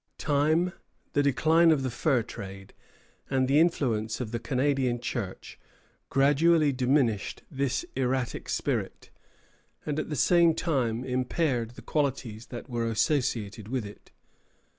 Time, the decline of the fur trade, and the influence of the Canadian Church gradually diminished this erratic spirit, and at the same time impaired the qualities that were associated with it.